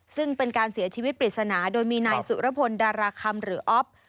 ซึ่งเป็นการเสียชีวิตปริศนาโดยมีนายสุรพลดาราคำหรืออ๊อฟ